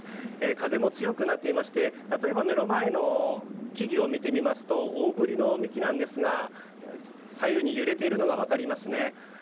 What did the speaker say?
風も強くなっていまして、例えば目の前の木々を見てみますと大ぶりの幹なんですが左右に揺れているのが分かります。